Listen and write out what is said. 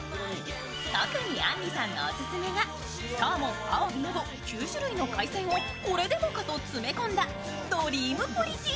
特に、あんりさんのオススメがサーモン、アワビなど９種類の海鮮をこれでもかと詰め込んだドリームプリティ